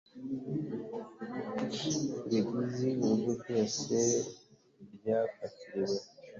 ibigize urugo byose byafatiriwe